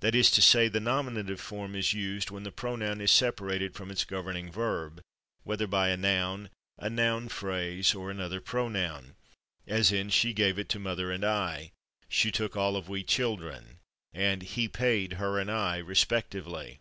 That is to say, the nominative form is used when the pronoun is separated from its governing verb, whether by a noun, a noun phrase or another pronoun, as in "she gave it to mother and /I/," "she took all of /we/ children" and "he paid her and /I/" respectively.